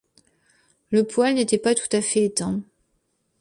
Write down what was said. Le poêle n’était pas tout à fait éteint.